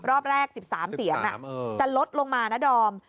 รอบแรก๑๓เสียงจะลดลงมานะดอม